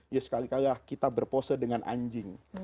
ya sekali kalah kita berpose dengan anjing